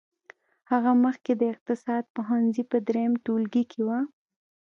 هغه مخکې د اقتصاد پوهنځي په دريم ټولګي کې وه.